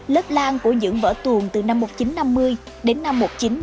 lớp lan của những vỡ tuồng từ năm một nghìn chín trăm năm mươi đến năm một nghìn chín trăm bảy mươi